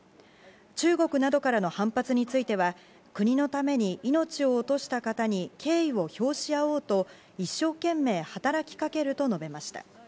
中国などからの反発については国のために命を落とした方に敬意を表し合おうと一生懸命働きかけると述べました。